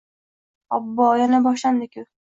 Obbo-o, yana boshlandi-ku!